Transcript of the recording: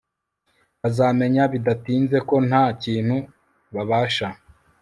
bazamenya bidatinze ko nta kintu babasha